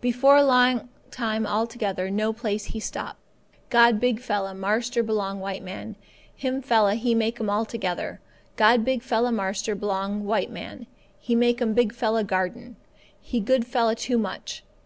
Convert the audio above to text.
"Before long time altogether no place he stop. God big fella marster belong white man, him fella He make 'm altogether. God big fella marster belong white man, He make 'm big fella garden. He good fella too much.